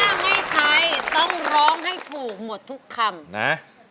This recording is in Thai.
ถ้าไม่ใช้ต้องร้องให้ถูกหมดทุกคำนะ